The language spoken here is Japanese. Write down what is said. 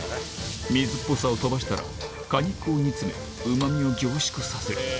水っぽさを飛ばしたら果肉を煮詰めうま味を凝縮させる